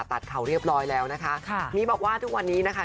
ตัดเขาเรียบร้อยแล้วนะคะค่ะมีบอกว่าทุกวันนี้นะคะ